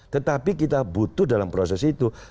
tetapi kita butuh dalam proses itu